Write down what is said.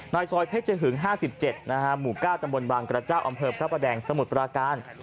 นายซอยเพชรหึง๕๗หมู่๙ตำบลบังกระเจ้าอำเภิบทรัพย์แดงสมุดประการ